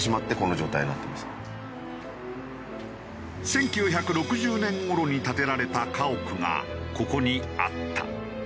１９６０年頃に建てられた家屋がここにあった。